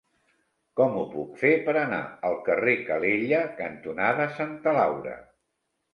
Com ho puc fer per anar al carrer Calella cantonada Santa Laura?